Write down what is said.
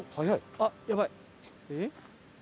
あっやばい。